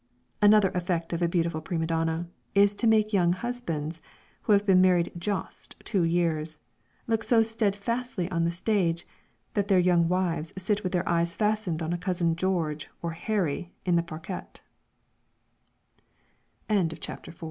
Another effect of a beautiful prima donna, is to make young husbands, who have been married just two years, look so steadfastly on the stage, that their young wives sit with their eyes fastened on a cousin George or Harry, i